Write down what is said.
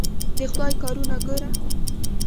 د خدای کارونه ګوره.